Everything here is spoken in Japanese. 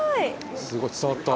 すごい伝わった。